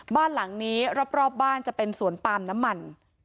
บ้านหลังนี้รอบบ้านจะเป็นสวนปาล์มน้ำมัน